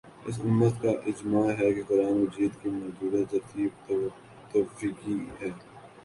اس امت کا اجماع ہے کہ قرآن مجید کی موجودہ ترتیب توقیفی